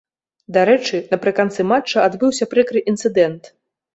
Дарэчы, напрыканцы матча адбыўся прыкры інцыдэнт.